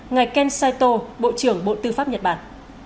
ngài kensaito bộ trưởng bộ tư pháp nhật bản